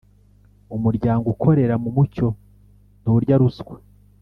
Umuryango ukorera mu mucyo nturya ruswa